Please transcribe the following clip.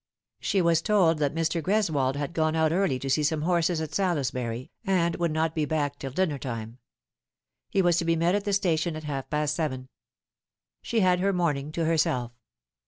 She was told that Mr. Greswold had gone out early to see some horses at Salisbury, and would not be back till dinner time. He was to be met at the station at half past seven. She had her morning to herself.